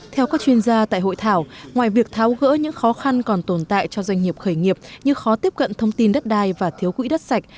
theo các chuyên gia tại hội thảo ngoài việc tháo gỡ những khó khăn còn tồn tại cho doanh nghiệp khởi nghiệp như khó tiếp cận thông tin đất đai và thiếu quỹ đất sạch